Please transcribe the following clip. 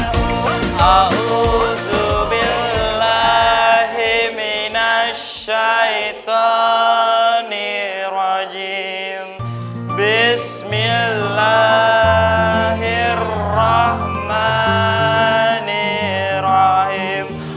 hai aku zubil lahir minasyaitoni rajim bismillahirrohmanirrohim